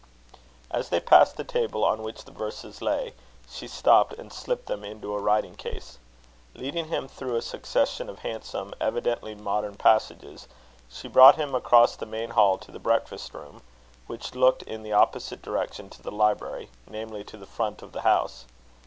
As they passed the table on which the verses lay, she stopped and slipped them into a writing case. Leading him through a succession of handsome, evidently modern passages, she brought him across the main hall to the breakfast room, which looked in the opposite direction to the library, namely, to the front of the house.